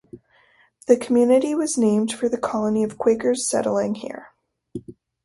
The community was named for the colony of Quakers settling here.